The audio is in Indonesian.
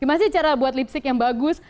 gimana sih cara buat lipstick yang bagus